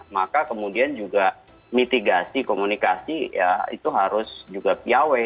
maka kemudian juga mitigasi komunikasi ya itu harus juga piawe